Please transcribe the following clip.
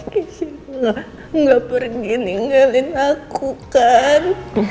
kisahmu gak pergi ninggalin aku kan